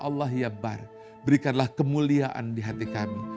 allah ya bar berikanlah kemuliaan di hati kami